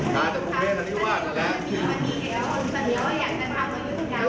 ทานกุเมนอันวาดแล้ว